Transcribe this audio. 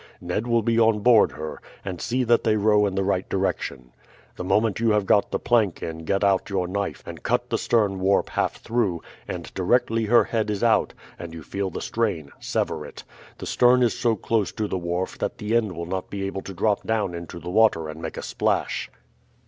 Ned will be on board her, and see that they row in the right direction. The moment you have got the plank in get out your knife and cut the stern warp half through, and directly her head is out, and you feel the strain, sever it. The stern is so close to the wharf that the end will not be able to drop down into the water and make a splash."